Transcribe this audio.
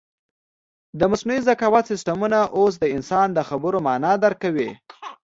د مصنوعي ذکاوت سیسټمونه اوس د انسان د خبرو مانا درک کوي.